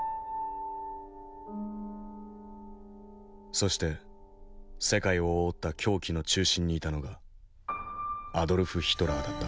そして世界を覆った狂気の中心にいたのがアドルフ・ヒトラーだった。